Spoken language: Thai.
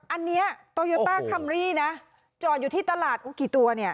อันนี้โตโยต้าคัมรี่นะจอดอยู่ที่ตลาดกี่ตัวเนี่ย